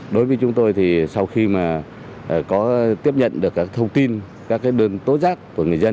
đối với chúng tôi thì sau khi mà có tiếp nhận được các thông tin các đơn tố giác của người dân